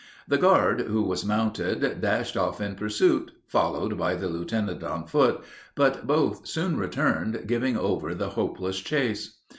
The guard, who was mounted, dashed off in pursuit, followed by the lieutenant on foot, but both soon returned, giving over the hopeless chase.